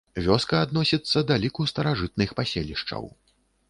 Вёска адносіцца да ліку старажытных паселішчаў.